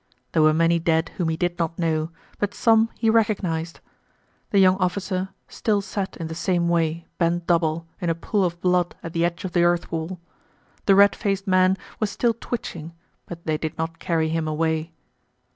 There were many dead whom he did not know, but some he recognized. The young officer still sat in the same way, bent double, in a pool of blood at the edge of the earth wall. The red faced man was still twitching, but they did not carry him away.